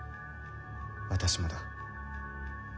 私もだ。